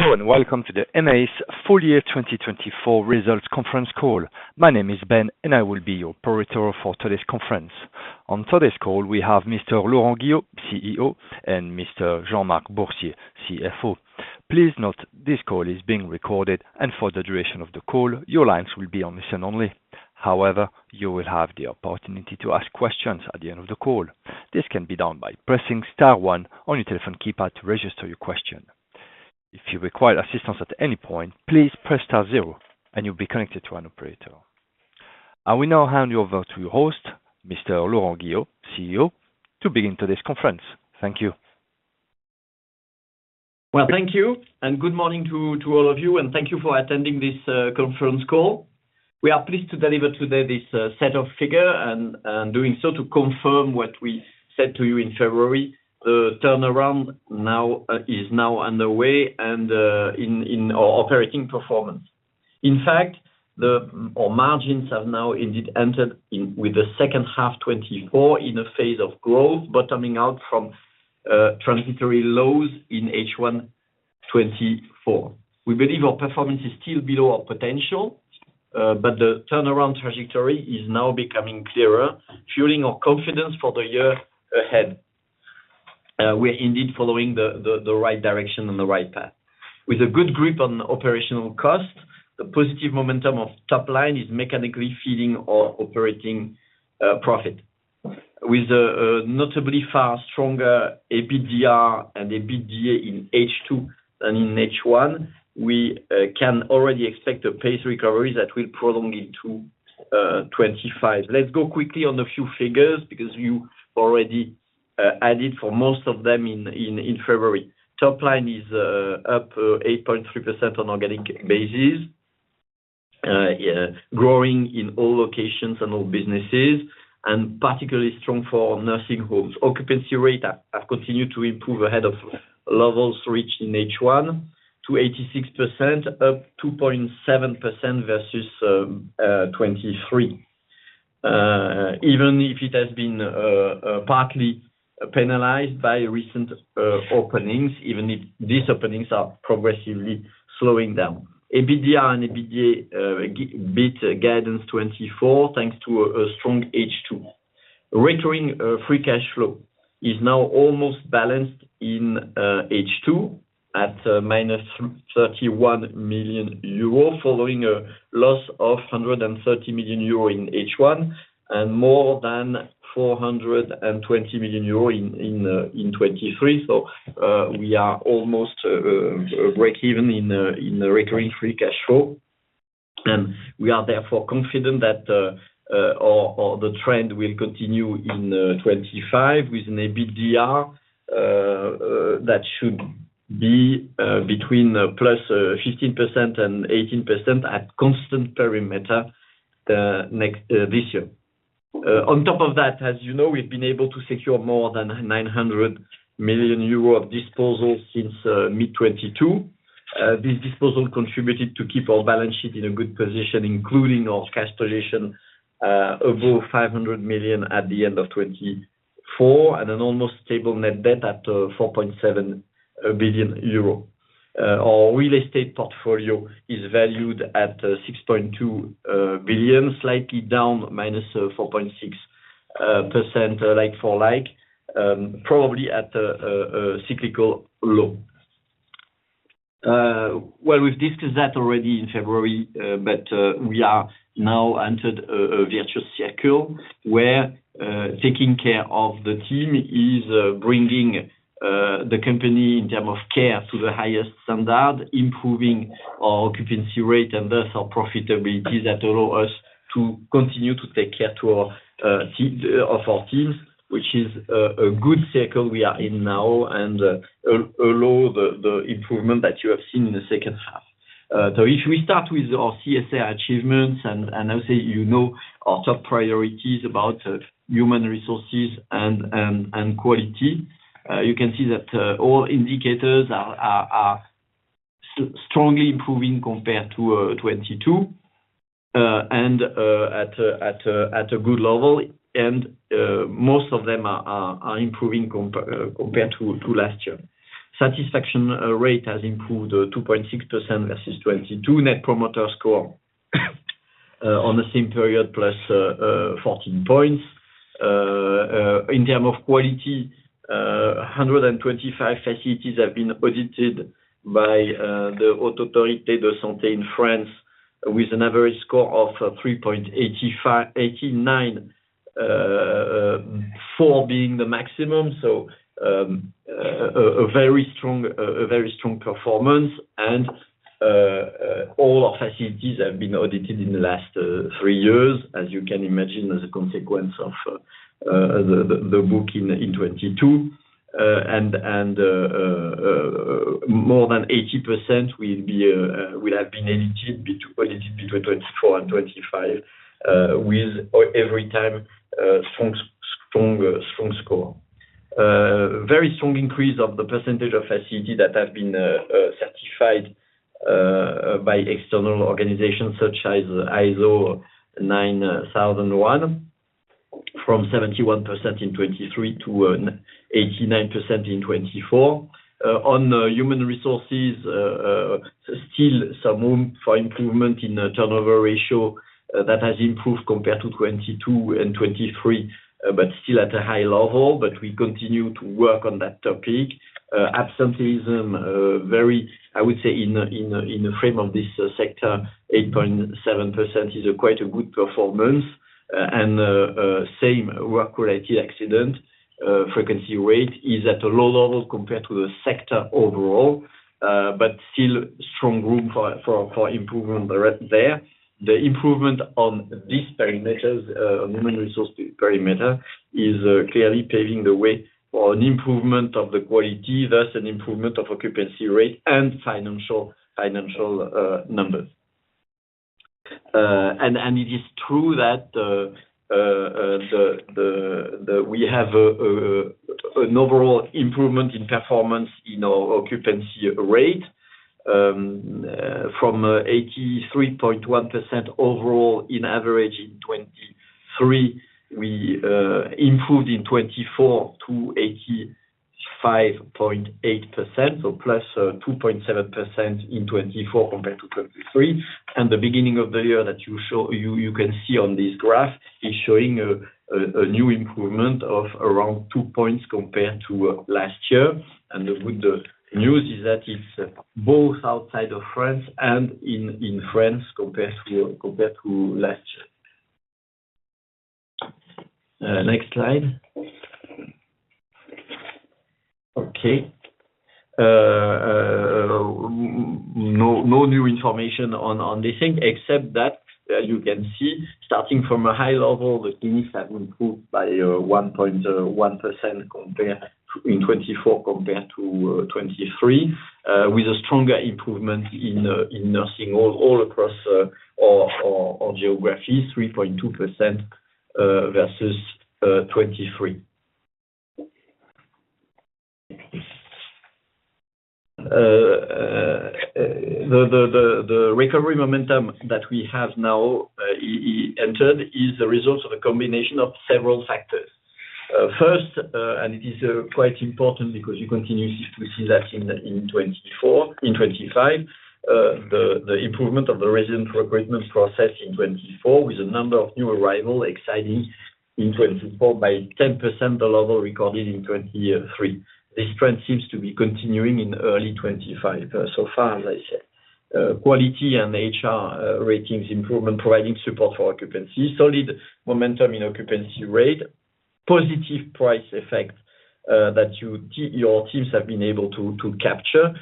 Hello and welcome to the emeis Full Year 2024 Results Conference call. My name is Ben, and I will be your operator for today's conference. On today's call, we have Mr. Laurent Guillot, CEO, and Mr. Jean-Marc Boursier, CFO. Please note this call is being recorded, and for the duration of the call, your lines will be on listen only. However, you will have the opportunity to ask questions at the end of the call. This can be done by pressing star one on your telephone keypad to register your question. If you require assistance at any point, please press star zero, and you'll be connected to an operator. I will now hand you over to your host, Mr. Laurent Guillot, CEO, to begin today's conference. Thank you. Thank you, and good morning to all of you, and thank you for attending this conference call. We are pleased to deliver today this set of figures, and doing so to confirm what we said to you in February. The turnaround is now underway and in our operating performance. In fact, our margins have now indeed entered with the second half 2024 in a phase of growth, bottoming out from transitory lows in H1 2024. We believe our performance is still below our potential, but the turnaround trajectory is now becoming clearer, fueling our confidence for the year ahead. We are indeed following the right direction and the right path. With a good grip on operational cost, the positive momentum of top line is mechanically feeding our operating profit. With a notably far stronger EBITDA and EBITDAR in H2 than in H1, we can already expect a paced recovery that will prolong into 2025. Let's go quickly on a few figures because you already added for most of them in February. Top line is up 8.3% on organic basis, growing in all locations and all businesses, and particularly strong for nursing homes. Occupancy rates have continued to improve ahead of levels reached in H1 to 86%, up 2.7% versus 2023, even if it has been partly penalized by recent openings, even if these openings are progressively slowing down. EBITDA and EBITDAR beat guidance 2024 thanks to a strong H2. Recurring free cash flow is now almost balanced in H2 at -31 million euro following a loss of 130 million euro in H1 and more than 420 million euro in 2023. We are almost break-even in recurring free cash flow, and we are therefore confident that the trend will continue in 2025 with an EBITDA that should be between +15% and 18% at constant perimeter this year. On top of that, as you know, we have been able to secure more than 900 million euro of disposal since mid-2022. This disposal contributed to keep our balance sheet in a good position, including our cash position above 500 million at the end of 2024 and an almost stable net debt at 4.7 billion euro. Our real estate portfolio is valued at 6.2 billion, slightly down -4.6% like-for-like, probably at a cyclical low. We have discussed that already in February, but we are now entered a virtuous circle where taking care of the team is bringing the company in terms of care to the highest standard, improving our occupancy rate and thus our profitability that allows us to continue to take care of our teams, which is a good circle we are in now and allow the improvement that you have seen in the second half. If we start with our CSR achievements, and I would say you know our top priorities about human resources and quality, you can see that all indicators are strongly improving compared to 2022 and at a good level, and most of them are improving compared to last year. Satisfaction rate has improved 2.6% versus 2022. Net promoter score on the same period +14 points. In terms of quality, 125 facilities have been audited by the Haute Autorité de Santé in France with an average score of 3.89, 4 being the maximum. A very strong performance, and all our facilities have been audited in the last three years, as you can imagine as a consequence of the book in 2022. More than 80% will have been audited between 2024 and 2025 with every time a strong score. Very strong increase of the percentage of facilities that have been certified by external organizations such as ISO 9001 from 71% in 2023 to 89% in 2024. On human resources, still some room for improvement in turnover ratio that has improved compared to 2022 and 2023, but still at a high level, but we continue to work on that topic. Absenteeism, very, I would say in the frame of this sector, 8.7% is quite a good performance. Same work-related accident frequency rate is at a low level compared to the sector overall, but still strong room for improvement there. The improvement on this perimeter, human resource perimeter, is clearly paving the way for an improvement of the quality, thus an improvement of occupancy rate and financial numbers. It is true that we have an overall improvement in performance in our occupancy rate. From 83.1% overall in average in 2023, we improved in 2024 to 85.8%, so +2.7% in 2024 compared to 2023. The beginning of the year that you can see on this graph is showing a new improvement of around 2 points compared to last year. The good news is that it's both outside of France and in France compared to last year. Next slide. Okay. No new information on this thing, except that you can see starting from a high level, the clinics have improved by 1.1% in 2024 compared to 2023, with a stronger improvement in nursing all across our geography, 3.2% versus 2023. The recovery momentum that we have now entered is the result of a combination of several factors. First, and it is quite important because you continue to see that in 2024, in 2025, the improvement of the resident recruitment process in 2024 with a number of new arrivals exceeding in 2024 by 10% the level recorded in 2023. This trend seems to be continuing in early 2025 so far, as I said. Quality and HR ratings improvement providing support for occupancy, solid momentum in occupancy rate, positive price effect that your teams have been able to capture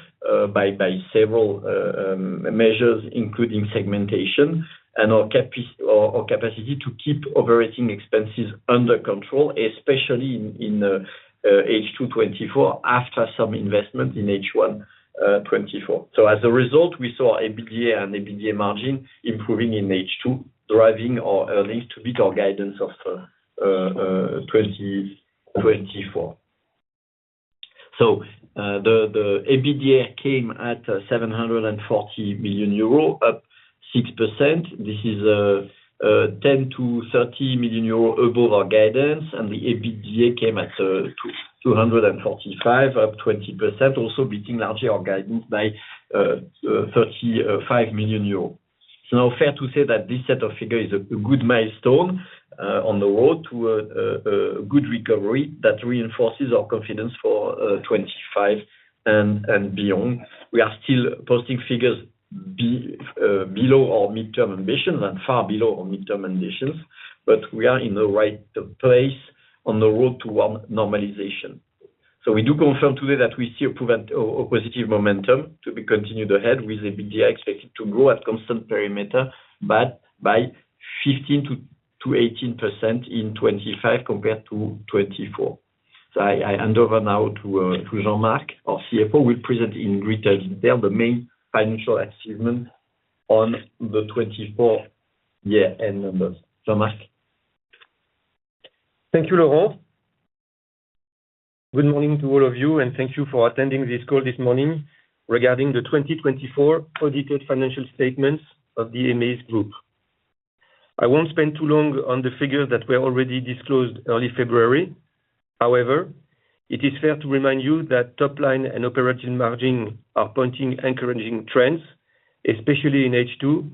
by several measures, including segmentation and our capacity to keep operating expenses under control, especially in H2 2024 after some investment in H1 2024. As a result, we saw EBITDA and EBITDA margin improving in H2, driving our earnings to beat our guidance of 2024. The EBITDA came at 740 million euro, up 6%. This is 10 million-30 million euro above our guidance, and the EBITDAR came at 245 million, up 20%, also beating largely our guidance by 35 million euro. It is now fair to say that this set of figures is a good milestone on the road to a good recovery that reinforces our confidence for 2025 and beyond. We are still posting figures below our midterm ambitions and far below our midterm ambitions, but we are in the right place on the road toward normalization. We do confirm today that we see a positive momentum to be continued ahead with EBITDA expected to grow at constant perimeter by 15%-18% in 2025 compared to 2024. I hand over now to Jean-Marc, our CFO. He will present in greater detail the main financial achievement on the 2024 year-end numbers. Jean-Marc. Thank you, Laurent. Good morning to all of you, and thank you for attending this call this morning regarding the 2024 audited financial statements of emeis Group. I will not spend too long on the figures that were already disclosed early February. However, it is fair to remind you that top line and operating margin are pointing encouraging trends, especially in H2,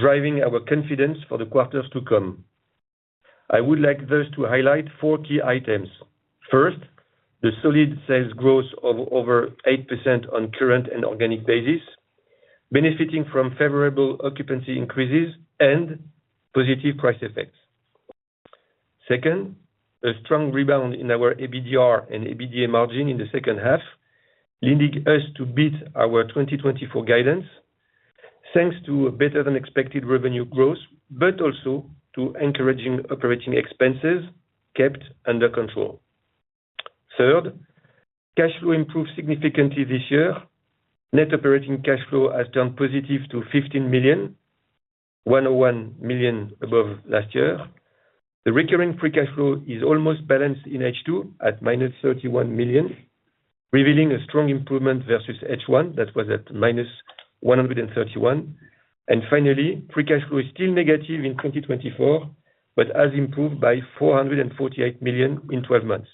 driving our confidence for the quarters to come. I would like thus to highlight four key items. First, the solid sales growth of over 8% on current and organic basis, benefiting from favorable occupancy increases and positive price effects. Second, a strong rebound in our EBITDA and EBITDA margin in the second half, leading us to beat our 2024 guidance, thanks to better-than-expected revenue growth, but also to encouraging operating expenses kept under control. Third, cash flow improved significantly this year. Net operating cash flow has turned positive to 15 million, 101 million above last year. The recurring free cash flow is almost balanced in H2 at -31 million, revealing a strong improvement versus H1 that was at -131 million. Finally, free cash flow is still negative in 2024, but has improved by 448 million in 12 months.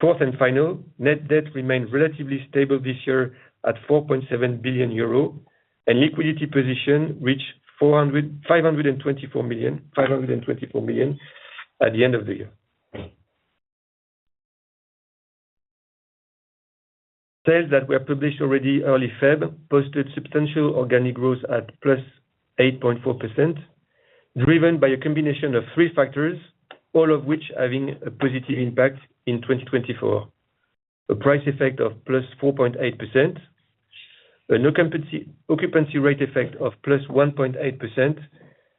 Fourth and final, net debt remained relatively stable this year at 4.7 billion euro, and liquidity position reached 524 million at the end of the year. Sales that were published already early February posted substantial organic growth at +8.4%, driven by a combination of three factors, all of which having a positive impact in 2024: a price effect of +4.8%, an occupancy rate effect of +1.8%,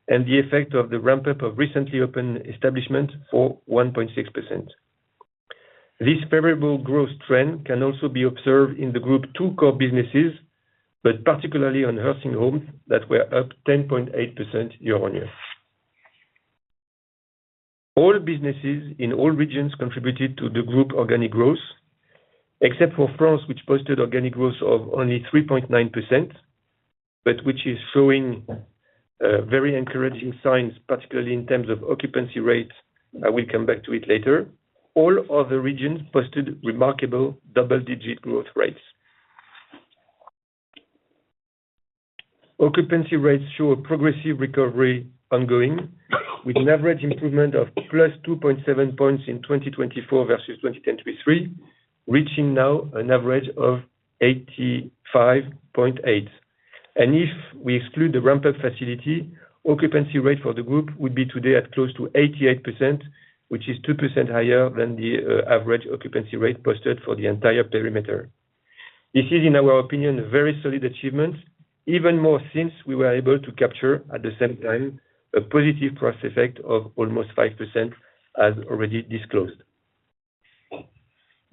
and the effect of the ramp-up of recently opened establishments for 1.6%. This favorable growth trend can also be observed in the Group's two core businesses, but particularly on nursing homes that were up 10.8% year-on-year. All businesses in all regions contributed to the Group's organic growth, except for France, which posted organic growth of only 3.9%, but which is showing very encouraging signs, particularly in terms of occupancy rates. I will come back to it later. All other regions posted remarkable double-digit growth rates. Occupancy rates show a progressive recovery ongoing, with an average improvement of +2.7 percentage points in 2024 versus 2023, reaching now an average of 85.8%. If we exclude the ramp-up facility, occupancy rate for the Group would be today at close to 88%, which is 2% higher than the average occupancy rate posted for the entire perimeter. This is, in our opinion, a very solid achievement, even more since we were able to capture at the same time a positive price effect of almost 5%, as already disclosed.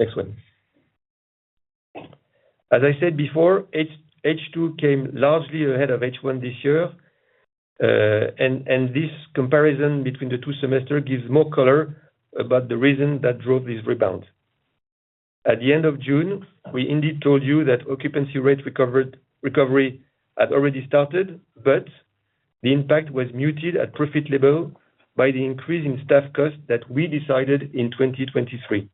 Next one. As I said before, H2 came largely ahead of H1 this year, and this comparison between the two semesters gives more color about the reason that drove this rebound. At the end of June, we indeed told you that occupancy rate recovery had already started, but the impact was muted at profit level by the increase in staff cost that we decided in 2023.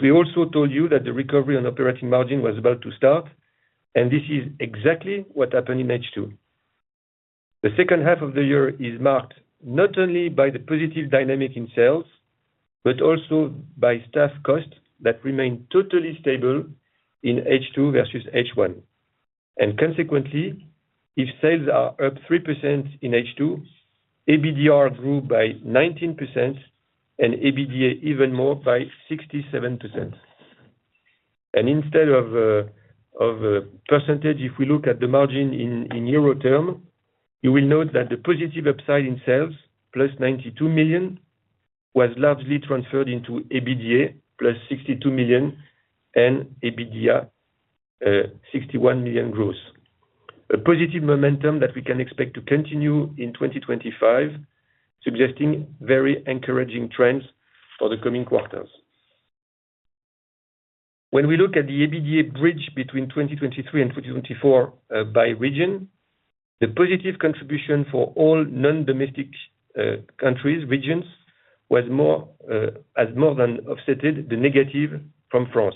We also told you that the recovery on operating margin was about to start, and this is exactly what happened in H2. The second half of the year is marked not only by the positive dynamic in sales, but also by staff cost that remained totally stable in H2 versus H1. Consequently, if sales are up 3% in H2, EBITDA grew by 19%, and EBITDAR even more by 67%. Instead of a percentage, if we look at the margin in euro terms, you will note that the positive upside in sales, +92 million, was largely transferred into EBITDA, +62 million, and EBITDAR, 61 million growth. A positive momentum that we can expect to continue in 2025, suggesting very encouraging trends for the coming quarters. When we look at the EBITDA bridge between 2023 and 2024 by region, the positive contribution for all non-domestic countries, regions, has more than offset the negative from France.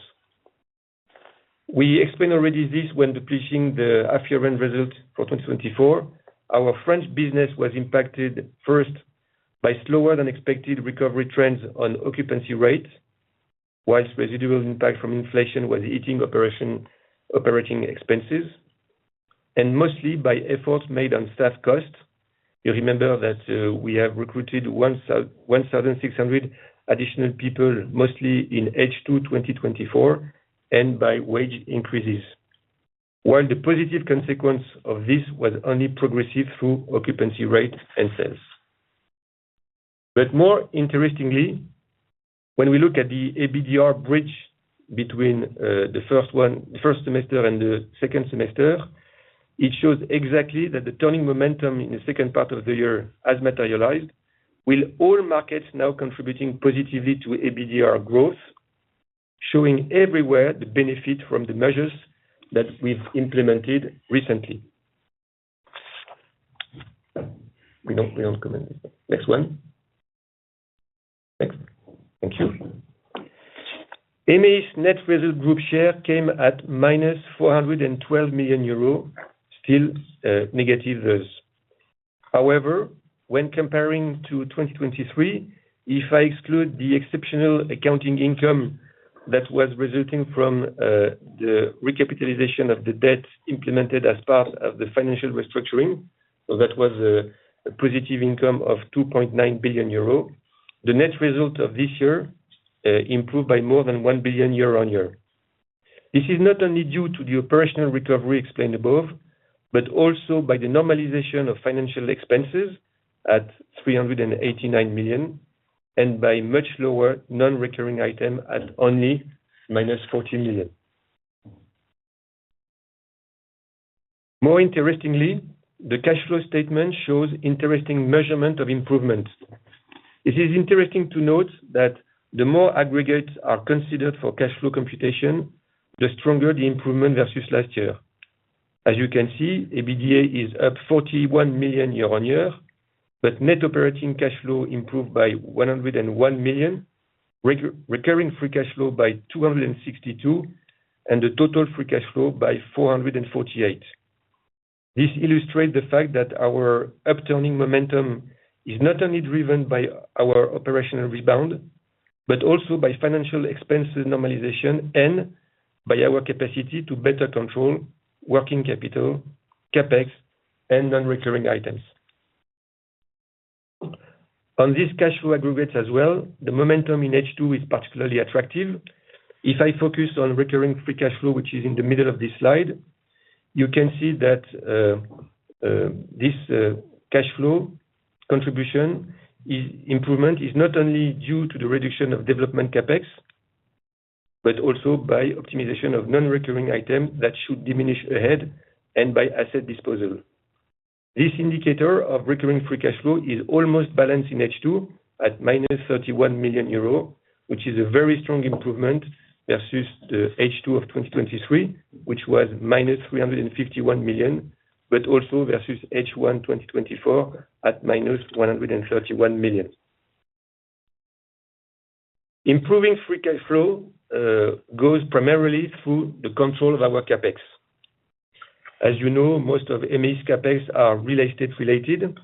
We explained already this when publishing the half-year result for 2024. Our French business was impacted first by slower-than-expected recovery trends on occupancy rates, whilst residual impact from inflation was eating operating expenses, and mostly by efforts made on staff cost. You remember that we have recruited 1,600 additional people, mostly in H2 2024, and by wage increases, while the positive consequence of this was only progressive through occupancy rate and sales. More interestingly, when we look at the EBITDA bridge between the first semester and the second semester, it shows exactly that the turning momentum in the second part of the year has materialized, with all markets now contributing positively to EBITDA growth, showing everywhere the benefit from the measures that we've implemented recently. We don't comment. Next one. Next. Thank you. emeis net result group share came at -412 million euro, still negative those. However, when comparing to 2023, if I exclude the exceptional accounting income that was resulting from the recapitalization of the debt implemented as part of the financial restructuring, so that was a positive income of 2.9 billion euro, the net result of this year improved by more than 1 billion year-on-year. This is not only due to the operational recovery explained above, but also by the normalization of financial expenses at 389 million and by much lower non-recurring item at only -40 million. More interestingly, the cash flow statement shows interesting measurement of improvement. It is interesting to note that the more aggregates are considered for cash flow computation, the stronger the improvement versus last year. As you can see, EBITDA is up 41 million year-on-year, but net operating cash flow improved by 101 million, recurring free cash flow by 262 million, and the total free cash flow by 448 million. This illustrates the fact that our upturning momentum is not only driven by our operational rebound, but also by financial expenses normalization and by our capacity to better control working capital, CapEx, and non-recurring items. On these cash flow aggregates as well, the momentum in H2 is particularly attractive. If I focus on recurring free cash flow, which is in the middle of this slide, you can see that this cash flow contribution improvement is not only due to the reduction of development CapEx, but also by optimization of non-recurring items that should diminish ahead and by asset disposal. This indicator of recurring free cash flow is almost balanced in H2 at -31 million euro, which is a very strong improvement versus the H2 of 2023, which was -351 million, but also versus H1 2024 at -131 million. Improving free cash flow goes primarily through the control of our CapEx. As you know, most of emeis CapEx are real estate-related,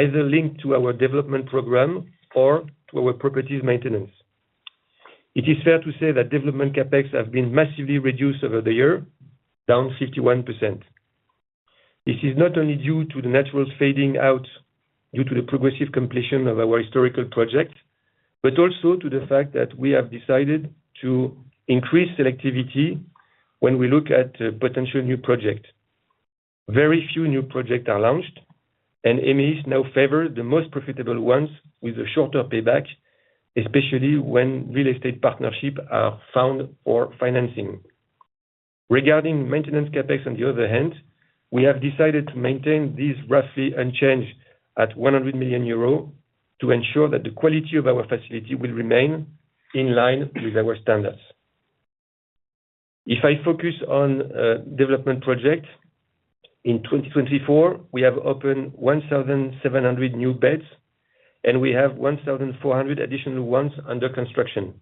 either linked to our development program or to our properties maintenance. It is fair to say that development CapEx has been massively reduced over the year, down 51%. This is not only due to the natural fading out due to the progressive completion of our historical project, but also to the fact that we have decided to increase selectivity when we look at potential new projects. Very few new projects are launched, and emeis now favors the most profitable ones with a shorter payback, especially when real estate partnerships are found for financing. Regarding maintenance CapEx, on the other hand, we have decided to maintain these roughly unchanged at 100 million euros to ensure that the quality of our facility will remain in line with our standards. If I focus on development projects, in 2024, we have opened 1,700 new beds, and we have 1,400 additional ones under construction.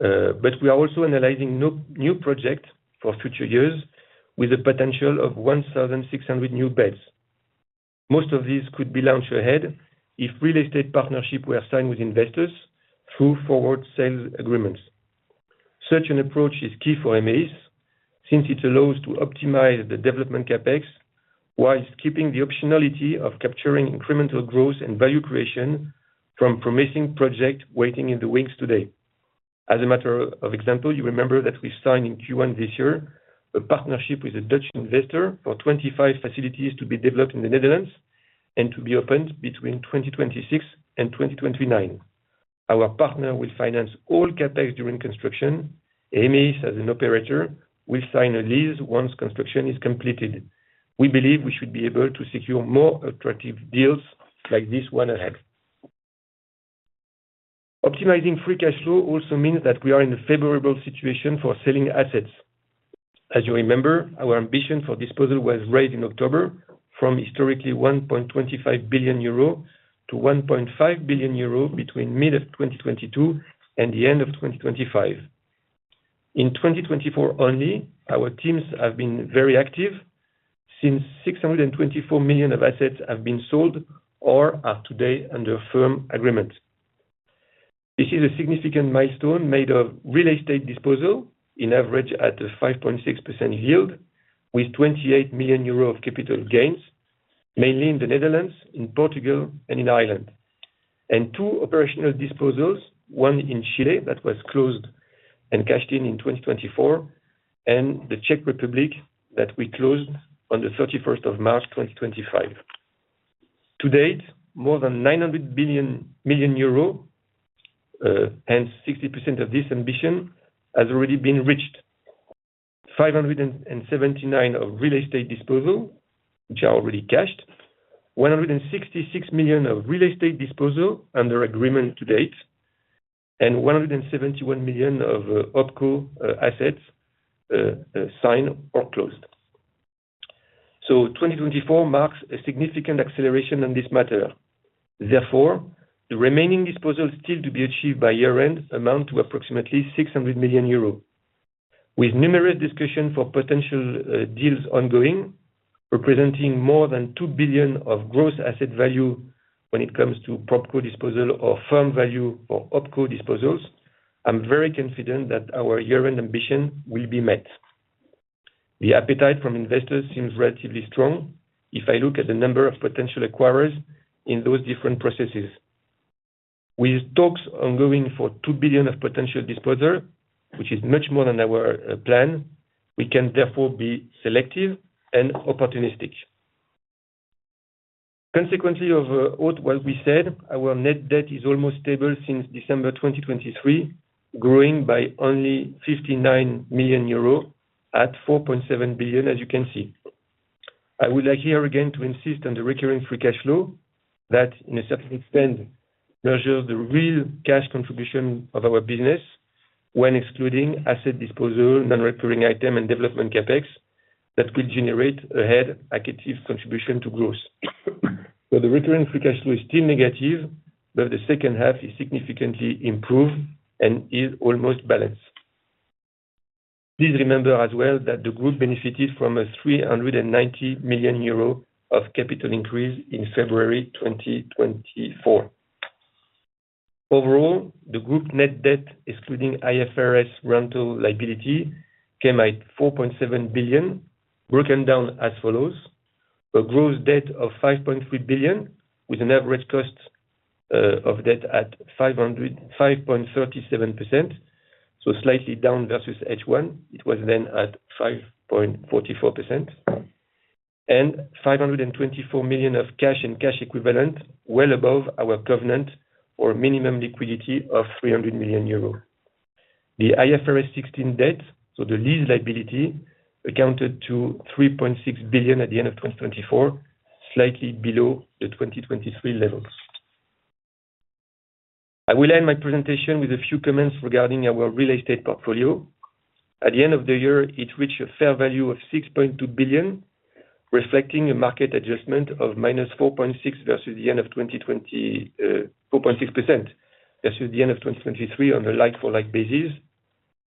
We are also analyzing new projects for future years with a potential of 1,600 new beds. Most of these could be launched ahead if real estate partnerships were signed with investors through forward sales agreements. Such an approach is key for emeis since it allows to optimize the development CapEx, whilst keeping the optionality of capturing incremental growth and value creation from promising projects waiting in the wings today. As a matter of example, you remember that we signed in Q1 this year a partnership with a Dutch investor for 25 facilities to be developed in the Netherlands and to be opened between 2026 and 2029. Our partner will finance all CapEx during construction, and emeis, as an operator, will sign a lease once construction is completed. We believe we should be able to secure more attractive deals like this one ahead. Optimizing free cash flow also means that we are in a favorable situation for selling assets. As you remember, our ambition for disposal was raised in October from historically 1.25 billion euro to 1.5 billion euro between mid-2022 and the end of 2025. In 2024 only, our teams have been very active since 624 million of assets have been sold or are today under firm agreement. This is a significant milestone made of real estate disposal in average at a 5.6% yield with 28 million euro of capital gains, mainly in the Netherlands, in Portugal, and in Ireland. Two operational disposals, one in Chile that was closed and cashed in in 2024, and the Czech Republic that we closed on the 31st of March 2025. To date, more than 900 million euro, hence 60% of this ambition, has already been reached. 579 million of real estate disposal, which are already cashed. 166 million of real estate disposal under agreement to date, and 171 million of opco assets signed or closed. 2024 marks a significant acceleration on this matter. Therefore, the remaining disposal still to be achieved by year-end amounts to approximately 600 million euros, with numerous discussions for potential deals ongoing, representing more than 2 billion of gross asset value when it comes to propco disposal or firm value for opco disposals. I'm very confident that our year-end ambition will be met. The appetite from investors seems relatively strong if I look at the number of potential acquirers in those different processes. With talks ongoing for 2 billion of potential disposal, which is much more than our plan, we can therefore be selective and opportunistic. Consequently of what we said, our net debt is almost stable since December 2023, growing by only 59 million euros at 4.7 billion, as you can see. I would like here again to insist on the recurring free cash flow that, in a certain extent, measures the real cash contribution of our business when excluding asset disposal, non-recurring item, and development CapEx that could generate ahead active contribution to growth. So the recurring free cash flow is still negative, but the second half is significantly improved and is almost balanced. Please remember as well that the group benefited from a 390 million euro of capital increase in February 2024. Overall, the Group net debt, excluding IFRS 16 rental liability, came at 4.7 billion, broken down as follows: a gross debt of 5.3 billion, with an average cost of debt at 5.37%, so slightly down versus H1. It was then at 5.44%. 524 million of cash and cash equivalent, well above our covenant or minimum liquidity of 300 million euro. The IFRS 16 debt, so the lease liability, accounted to 3.6 billion at the end of 2024, slightly below the 2023 levels. I will end my presentation with a few comments regarding our real estate portfolio. At the end of the year, it reached a fair value of 6.2 billion, reflecting a market adjustment of -4.6% versus the end of 2020, -4.6% versus the end of 2023 on a like-for-like basis,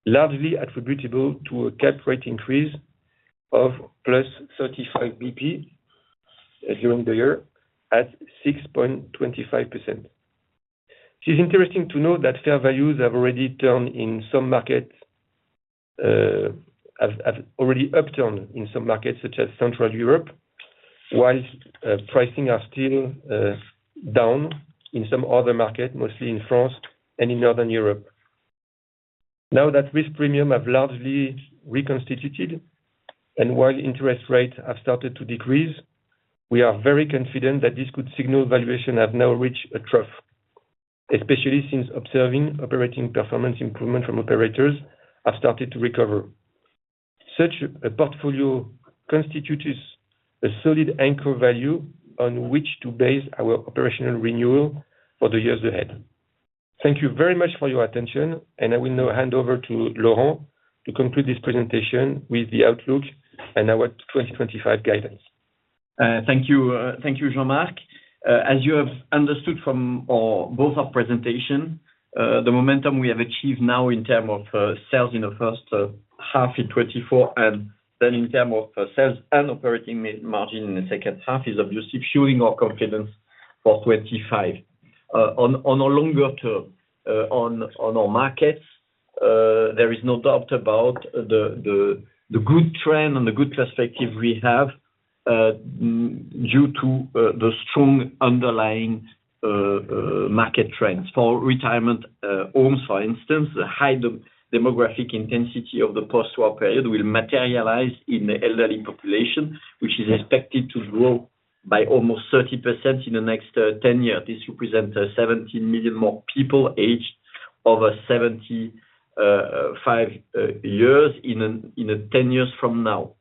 largely attributable to a cap rate increase of +35 basis points during the year at 6.25%. It is interesting to note that fair values have already turned in some markets, have already upturned in some markets such as Central Europe, while pricing are still down in some other markets, mostly in France and in Northern Europe. Now that risk premiums have largely reconstituted and while interest rates have started to decrease, we are very confident that this could signal valuation has now reached a trough, especially since observing operating performance improvement from operators have started to recover. Such a portfolio constitutes a solid anchor value on which to base our operational renewal for the years ahead. Thank you very much for your attention, and I will now hand over to Laurent to conclude this presentation with the outlook and our 2025 guidance. Thank you, Jean-Marc. As you have understood from both our presentations, the momentum we have achieved now in terms of sales in the first half in 2024 and then in terms of sales and operating margin in the second half is obviously fueling our confidence for 2025. On a longer term, on our markets, there is no doubt about the good trend and the good perspective we have due to the strong underlying market trends. For retirement homes, for instance, the high demographic intensity of the post-war period will materialize in the elderly population, which is expected to grow by almost 30% in the next 10 years. This represents 17 million more people aged over 75 years in 10 years from now.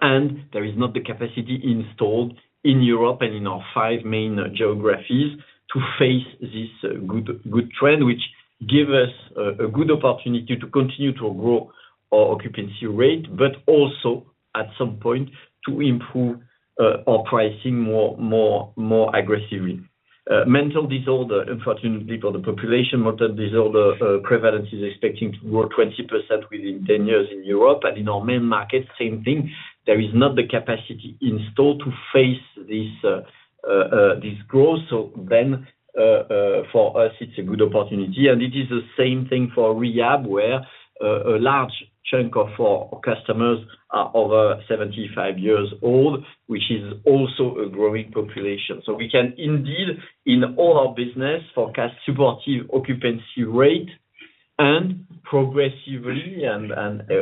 There is not the capacity installed in Europe and in our five main geographies to face this good trend, which gives us a good opportunity to continue to grow our occupancy rate, but also, at some point, to improve our pricing more aggressively. Mental disorder, unfortunately for the population, mental disorder prevalence is expecting to grow 20% within 10 years in Europe. In our main market, same thing. There is not the capacity installed to face this growth. For us, it's a good opportunity. It is the same thing for rehab, where a large chunk of our customers are over 75 years old, which is also a growing population. We can indeed, in all our business, forecast supportive occupancy rate and progressively, and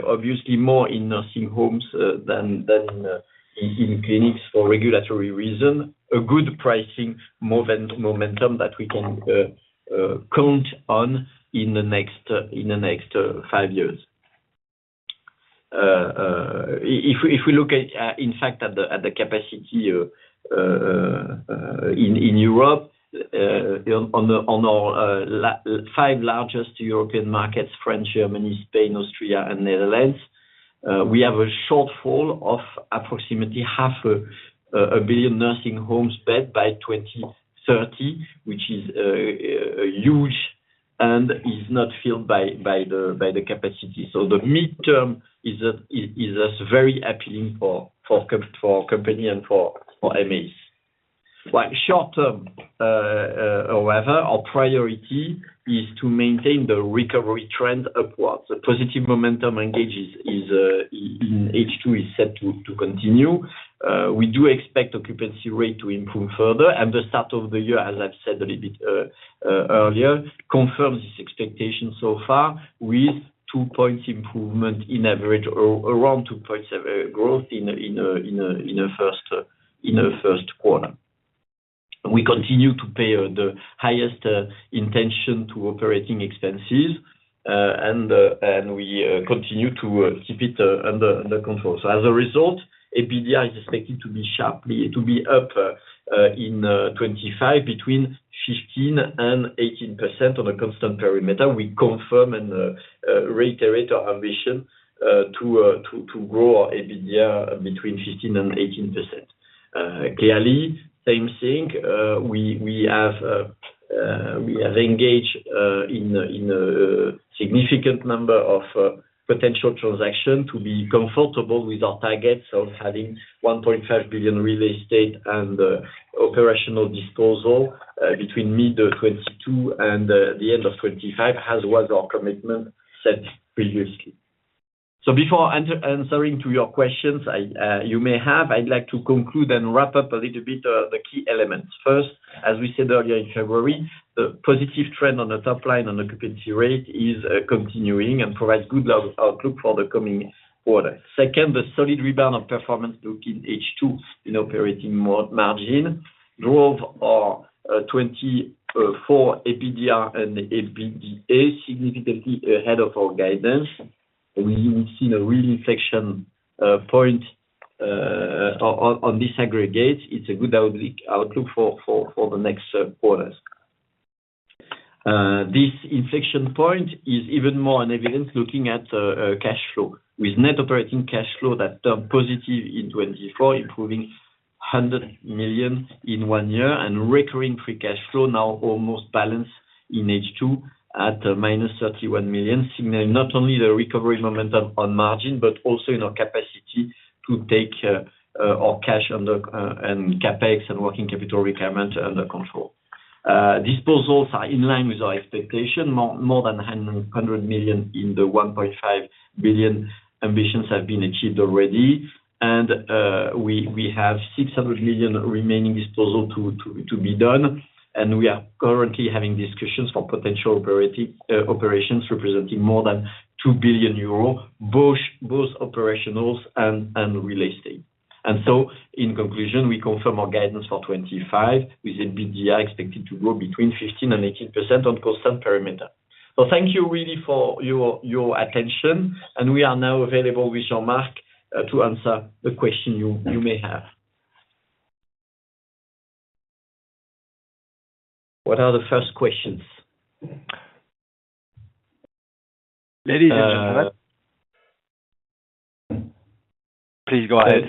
obviously more in nursing homes than in clinics for regulatory reasons, a good pricing momentum that we can count on in the next five years. If we look, in fact, at the capacity in Europe, on our five largest European markets, France, Germany, Spain, Austria, and Netherlands, we have a shortfall of approximately 500 million nursing homes bed by 2030, which is huge and is not filled by the capacity. The midterm is very appealing for our company and for emeis. Short term, however, our priority is to maintain the recovery trend upwards. The positive momentum engaged in H2 is set to continue. We do expect occupancy rate to improve further. The start of the year, as I've said a little bit earlier, confirms this expectation so far with two percentage points improvement on average, around two percentage points of growth in the first quarter. We continue to pay the highest attention to operating expenses, and we continue to keep it under control. As a result, EBITDAR is expected to be up in 2025 between 15% and 18% on a constant perimeter. We confirm and reiterate our ambition to grow our EBITDAR between 15% and 18%. Clearly, same thing, we have engaged in a significant number of potential transactions to be comfortable with our targets of having 1.5 billion real estate and operational disposal between mid-2022 and the end of 2025, as was our commitment set previously. Before answering to your questions you may have, I'd like to conclude and wrap up a little bit the key elements. First, as we said earlier in February, the positive trend on the top line on occupancy rate is continuing and provides good outlook for the coming quarter. Second, the solid rebound of performance looking H2 in operating margin drove our 2024 EBITDAR and EBITDA significantly ahead of our guidance. We've seen a real inflection point on this aggregate. It's a good outlook for the next quarters. This inflection point is even more evident looking at cash flow, with net operating cash flow that turned positive in 2024, improving 100 million in one year, and recurring free cash flow now almost balanced in H2 at -31 million, signaling not only the recovery momentum on margin, but also in our capacity to take our cash and CapEx and working capital requirement under control. Disposals are in line with our expectations, more than 100 million in the 1.5 billion ambitions have been achieved already. We have 600 million remaining disposal to be done. We are currently having discussions for potential operations representing more than 2 billion euro, both operational and real estate. In conclusion, we confirm our guidance for 2025, with EBITDAR expected to grow between 15%-18% on constant perimeter. Thank you really for your attention. We are now available with Jean-Marc to answer the questions you may have. What are the first questions? Ladies and gentlemen, please go ahead.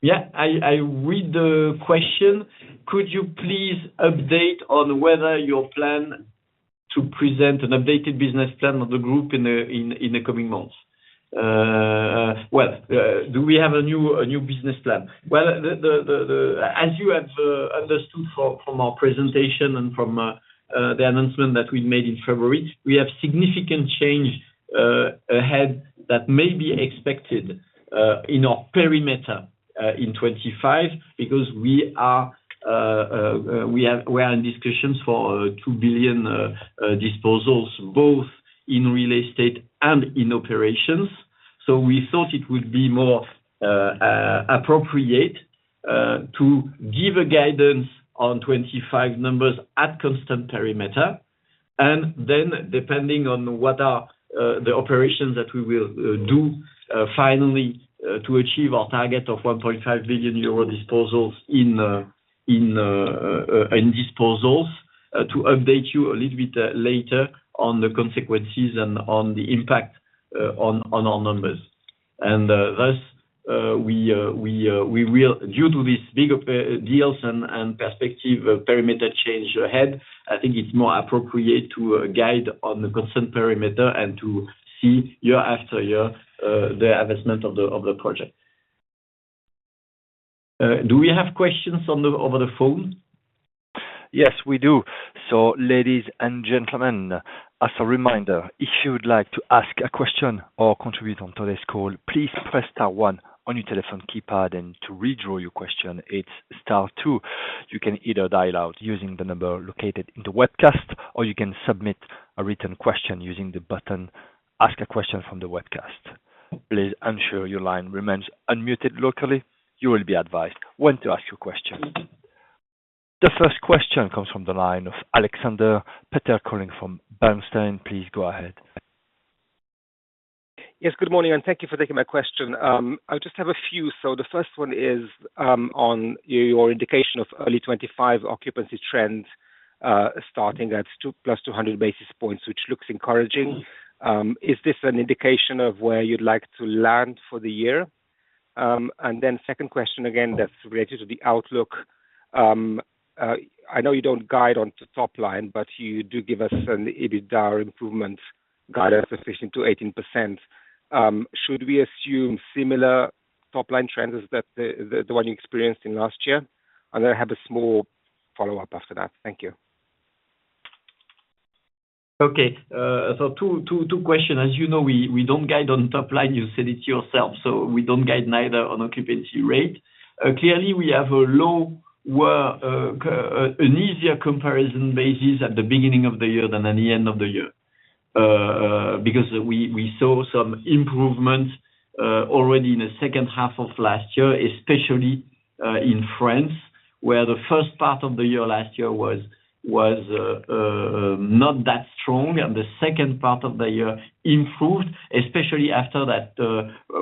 Yeah, I read the question. Could you please update on whether your plan to present an updated business plan of the group in the coming months? Do we have a new business plan? As you have understood from our presentation and from the announcement that we made in February, we have significant change ahead that may be expected in our perimeter in 2025 because we are in discussions for 2 billion disposals, both in real estate and in operations. We thought it would be more appropriate to give a guidance on 2025 numbers at constant perimeter. Depending on what are the operations that we will do finally to achieve our target of 1.5 billion euro in disposals, we will update you a little bit later on the consequences and on the impact on our numbers. Thus, due to these big deals and perspective perimeter change ahead, I think it is more appropriate to guide on the constant perimeter and to see year after year the advancement of the project. Do we have questions over the phone? Yes, we do. Ladies and gentlemen, as a reminder, if you would like to ask a question or contribute on today's call, please press star one on your telephone keypad. To withdraw your question, it is star two. You can either dial out using the number located in the webcast, or you can submit a written question using the button "Ask a Question" from the webcast. Please ensure your line remains unmuted locally. You will be advised when to ask your question. The first question comes from the line of Alexander Peterc calling from Bernstein. Please go ahead. Yes, good morning, and thank you for taking my question. I just have a few. The first one is on your indication of early 2025 occupancy trend starting at +200 basis points, which looks encouraging. Is this an indication of where you'd like to land for the year? The second question again, that's related to the outlook. I know you don't guide on the top line, but you do give us an EBITDAR improvement guidance of 15%-18%. Should we assume similar top line trends as the one you experienced in last year? I have a small follow-up after that. Thank you. Okay. Two questions. As you know, we don't guide on top line. You said it yourself. We don't guide neither on occupancy rate. Clearly, we have a lower, an easier comparison basis at the beginning of the year than at the end of the year because we saw some improvements already in the second half of last year, especially in France, where the first part of the year last year was not that strong. The second part of the year improved, especially after that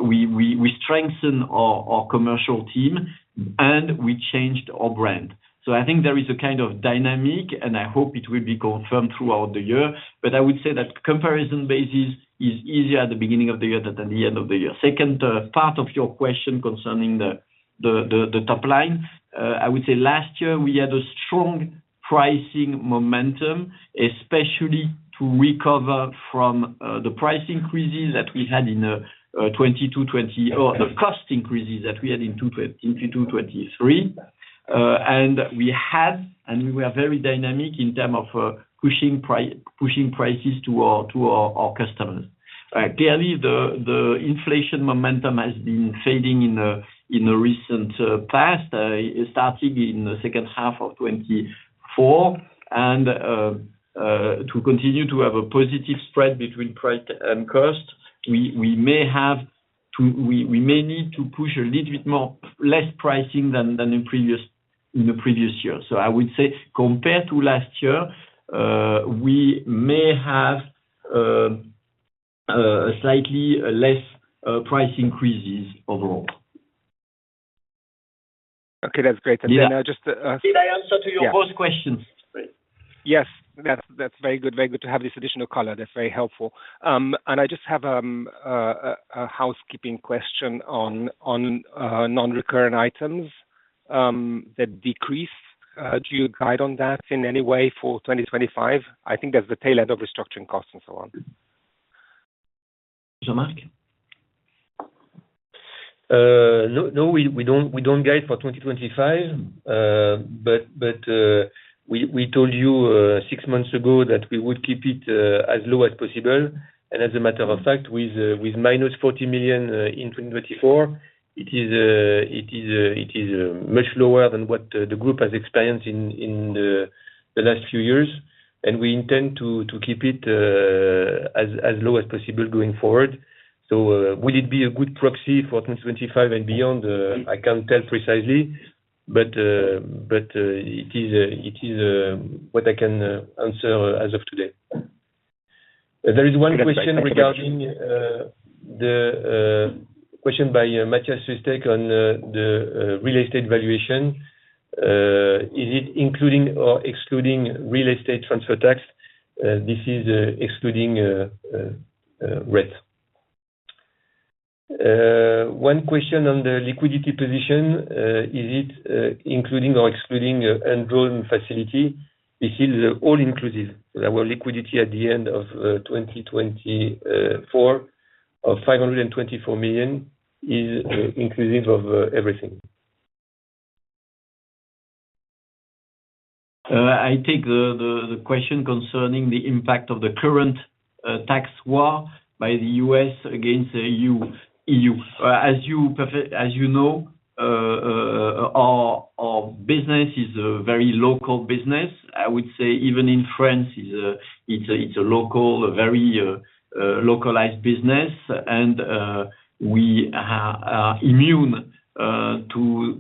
we strengthened our commercial team and we changed our brand. I think there is a kind of dynamic, and I hope it will be confirmed throughout the year. I would say that comparison basis is easier at the beginning of the year than at the end of the year. Second part of your question concerning the top line, I would say last year we had a strong pricing momentum, especially to recover from the price increases that we had in 2022, or the cost increases that we had in 2022, 2023. We were very dynamic in terms of pushing prices to our customers. Clearly, the inflation momentum has been fading in the recent past, starting in the second half of 2024. To continue to have a positive spread between price and cost, we may need to push a little bit less pricing than in the previous year. I would say compared to last year, we may have slightly less price increases overall. Okay, that's great. Did I answer to your both questions? Yes, that's very good. Very good to have this additional color. That's very helpful. I just have a housekeeping question on non-recurrent items that decrease. Do you guide on that in any way for 2025? I think that is the tail end of restructuring costs and so on. Jean-Marc? No, we do not guide for 2025. We told you six months ago that we would keep it as low as possible. As a matter of fact, with 40 million in 2024, it is much lower than what the group has experienced in the last few years. We intend to keep it as low as possible going forward. Will it be a good proxy for 2025 and beyond? I cannot tell precisely, but it is what I can answer as of today. There is one question regarding the question by Matthias Sustek on the real estate valuation. Is it including or excluding real estate transfer tax? This is excluding rent. One question on the liquidity position. Is it including or excluding enrollment facility? Is it all-inclusive? Our liquidity at the end of 2024 of 524 million is inclusive of everything. I take the question concerning the impact of the current tax war by the U.S. against the EU. As you know, our business is a very local business. I would say even in France, it's a local, very localized business. We are immune to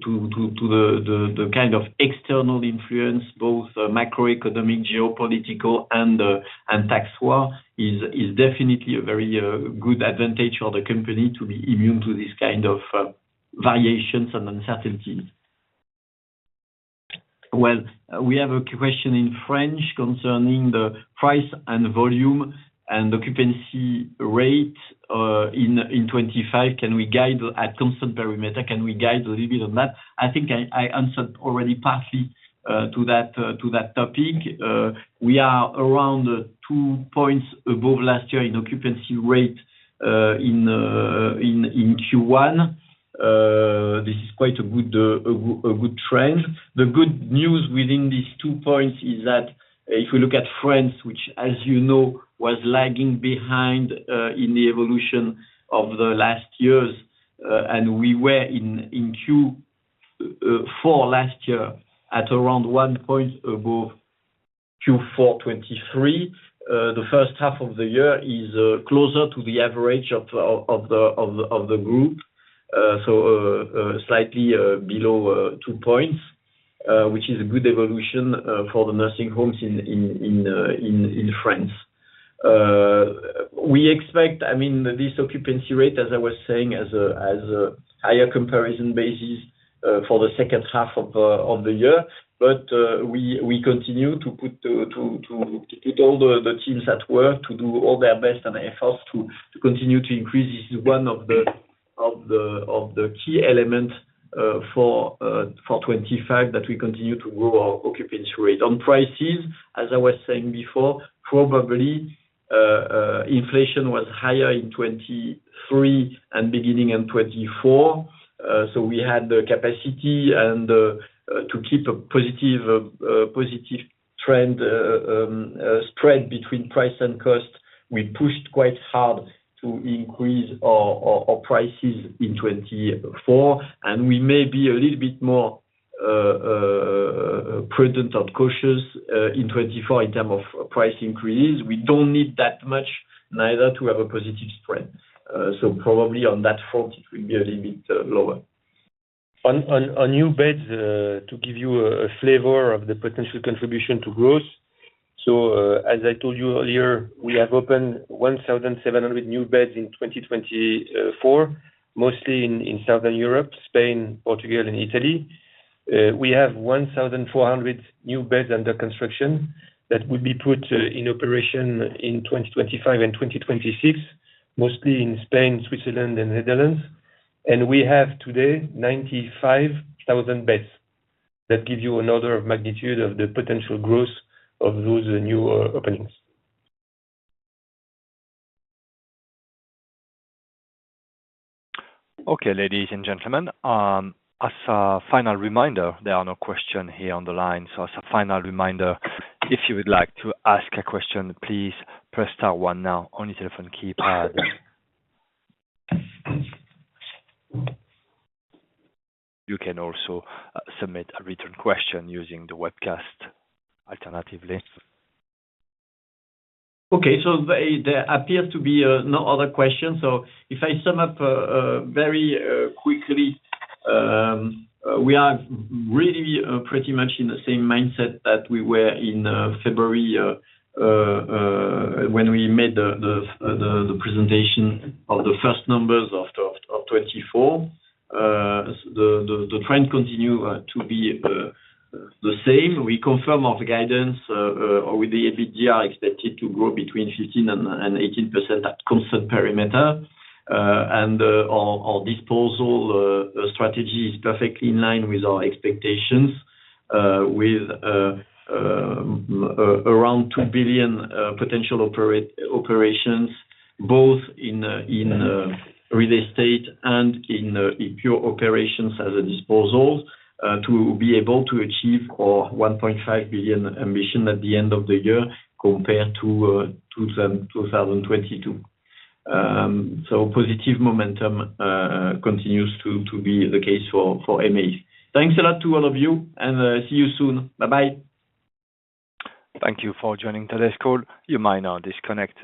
the kind of external influence, both macroeconomic, geopolitical, and tax war is definitely a very good advantage for the company to be immune to this kind of variations and uncertainties. We have a question in French concerning the price and volume and occupancy rate in 2025. Can we guide at constant perimeter? Can we guide a little bit on that? I think I answered already partly to that topic. We are around two percentage points above last year in occupancy rate in Q1. This is quite a good trend. The good news within these two percentage points is that if we look at France, which, as you know, was lagging behind in the evolution of the last years, and we were in Q4 last year at around one percentage point above Q4 2023. The first half of the year is closer to the average of the group, so slightly below two percentage points, which is a good evolution for the nursing homes in France. We expect, I mean, this occupancy rate, as I was saying, as a higher comparison basis for the second half of the year. We continue to put all the teams at work to do all their best and efforts to continue to increase. This is one of the key elements for 2025 that we continue to grow our occupancy rate. On prices, as I was saying before, probably inflation was higher in 2023 and beginning in 2024. We had the capacity to keep a positive trend spread between price and cost. We pushed quite hard to increase our prices in 2024. We may be a little bit more prudent or cautious in 2024 in terms of price increases. We do not need that much neither to have a positive spread. Probably on that front, it will be a little bit lower. On new beds, to give you a flavor of the potential contribution to growth. As I told you earlier, we have opened 1,700 new beds in 2024, mostly in Southern Europe, Spain, Portugal, and Italy. We have 1,400 new beds under construction that will be put in operation in 2025 and 2026, mostly in Spain, Switzerland, and Netherlands. We have today 95,000 beds. That gives you another magnitude of the potential growth of those new openings. Okay, ladies and gentlemen, as a final reminder, there are no questions here on the line. As a final reminder, if you would like to ask a question, please press star one now on your telephone keypad. You can also submit a written question using the webcast alternatively. Okay, there appears to be no other questions. If I sum up very quickly, we are really pretty much in the same mindset that we were in February when we made the presentation of the first numbers of 2024. The trend continues to be the same. We confirm our guidance with the EBITDAR expected to grow between 15% and 18% at constant perimeter. Our disposal strategy is perfectly in line with our expectations, with around 2 billion potential operations, both in real estate and in pure operations as a disposal, to be able to achieve our 1.5 billion ambition at the end of the year compared to 2022. Positive momentum continues to be the case for emeis. Thanks a lot to all of you, and see you soon. Bye-bye. Thank you for joining today's call. You might now disconnect.